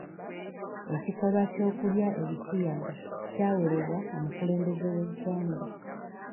Ekikolwa ky'okulya ebisiyaga kyawerebwa omukulembeze w'eggwanga.